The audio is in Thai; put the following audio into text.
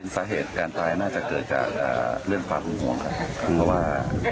สาเหตุการตายน่าจะเกิดจากเรื่องความหึงห่วงครับเพราะว่า